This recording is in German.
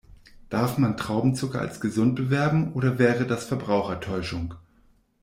Darf man Traubenzucker als gesund bewerben, oder wäre das Verbrauchertäuschung?